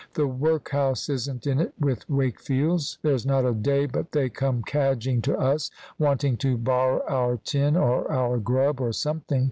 The workhouse isn't in it with Wakefield's. There's not a day but they come cadging to us, wanting to borrow our tin, or our grub, or something.